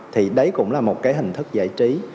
thì đấy cũng là một cái hình thức giải trí